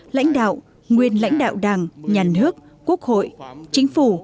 lãnh đạo nguyên lãnh đạo đảng nhà nước quốc hội chính phủ